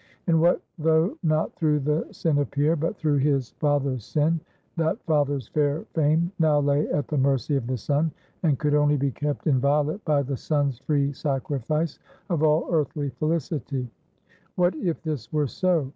And what though not through the sin of Pierre, but through his father's sin, that father's fair fame now lay at the mercy of the son, and could only be kept inviolate by the son's free sacrifice of all earthly felicity; what if this were so?